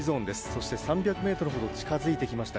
そして、３００ｍほど近づいてきました